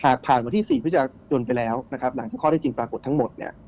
หากผ่านมาที่๔พิจารณ์จนไปแล้วหลังจากข้อได้จริงปรากฏทั้งหมด